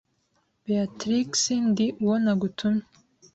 Beatrix Ndi uwo nagutumye